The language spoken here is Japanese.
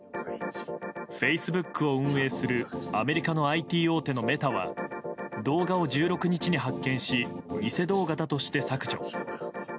フェイスブックを運営するアメリカのＩＴ大手のメタは動画を１６日に発見し偽動画だとして削除。